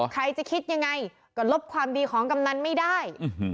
ใครจะคิดยังไงก็ลบความดีของกำนันไม่ได้